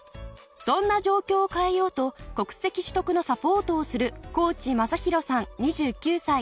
そんな状況を変えようと国籍取得のサポートをする河内将弘さん２９歳。